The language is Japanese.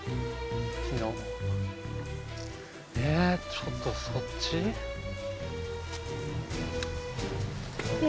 ちょっとそっち？え？